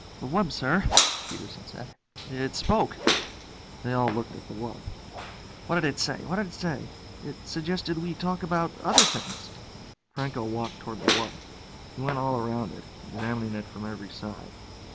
"The wub, sir," Peterson said. "It spoke." They all looked at the wub. "What did it say? What did it say?" "It suggested we talk about other things." Franco walked toward the wub. He went all around it, examining it from every side.